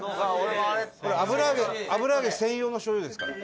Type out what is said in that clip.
あぶらあげ専用のしょうゆですから。